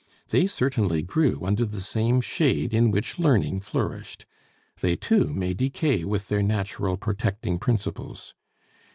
They certainly grew under the same shade in which learning flourished. They too may decay with their natural protecting principles.